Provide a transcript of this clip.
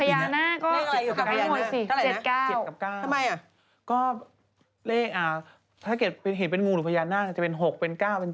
เพราะว่าเลขอ่ะถ้าเก็บเห็นเป็นงูหรือพยาน่าก็จะเป็น๖เป็น๙เป็น๗